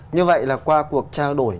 như vậy là qua cuộc trao đổi